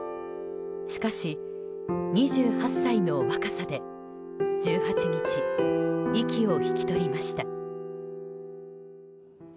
しかし、２８歳の若さで１８日、息を引き取りました。